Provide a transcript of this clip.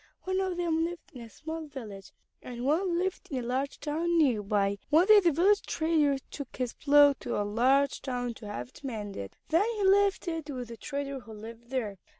One of them lived in a small village, and one lived in a large town near by. One day the village trader took his plow to the large town to have it mended. Then he left it with the trader who lived there.